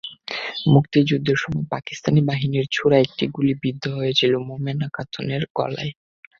মুক্তিযুদ্ধের সময় পাকিস্তানি বাহিনীর ছোড়া একটি গুলি বিদ্ধ হয়েছিল মোমেনা খাতুনের গলায়।